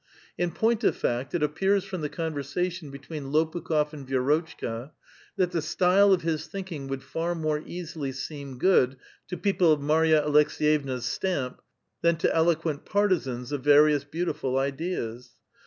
In point of fact, it np|H>ai*s from the conversation between lA»piikhof ami Vii'rotciika, that the style of his thinking would far mure oa>ily soem giMnl to i>eople of Mary Aleks6yevua*8 ^tamp. liian to t'KMjUciit partizans of various beautiful ideas.